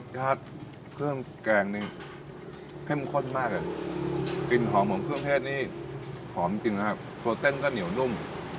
รสชาติเครื่องแกงนี้เข้มข้นมากครับกลิ่นหอมของเครื่องเทศนี้หอมจริงนะคะโทสเต้นก็เหนียวนุ่ม